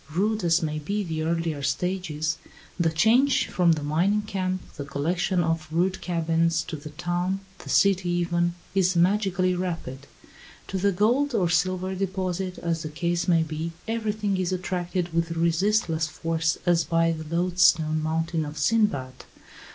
Rude as may be the earlier stages, the change from the mining camp, the collection of rude cabins, to the town, the city even, is magically rapid. To the gold or silver deposit, as the case may be, everything is attracted with resistless force as by the loadstone mountain of Sindbad.